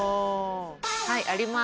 はいあります。